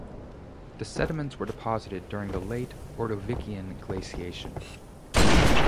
The sediments were deposited during the Late Ordovician glaciation.